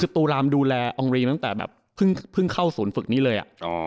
โตรามดูแลองเรีย์ตั้งแต่เพิ่งเข้าฝึกศูนย์นี้เลย